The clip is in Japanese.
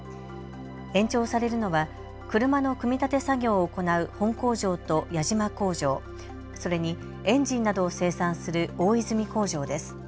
延長されるのは車の組み立て作業を行う本工場と矢島工場、それにエンジンなどを生産する大泉工場です。